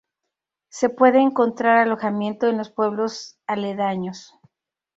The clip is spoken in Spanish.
Se puede encontrar alojamiento en los pueblos aledaños.